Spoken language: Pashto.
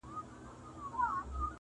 په سمه لاره کي پل مه ورانوی.!